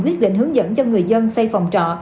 quyết định hướng dẫn cho người dân xây phòng trọ